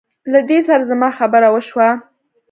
له دې سره زما خبره وشوه.